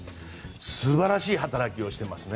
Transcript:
素晴らしい働きをしていますね。